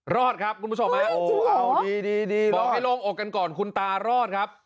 รอดครับคุณผู้ชมนะบอกให้ลงอกกันก่อนคุณตารอดครับ